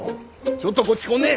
ちょっとこっちこんね！